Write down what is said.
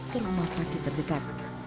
ke rumah sakit terdekat